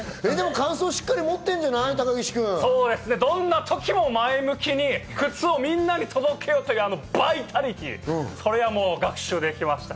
感想はしっかり持ってるんじどんな時も前向きに、靴をみんなに届けようっていうバイタリティー、学習できました。